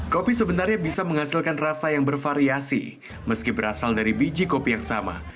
kopi sebenarnya bisa menghasilkan rasa yang bervariasi meski berasal dari biji kopi yang sama